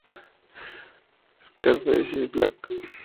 Scarface Is Back".